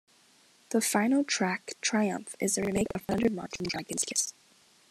The final track, "Triumph", is a remake of "Thunder March" from "Dragon's Kiss".